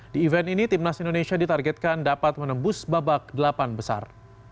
di event ini timnas indonesia ditargetkan dapat menembus babak delapan besar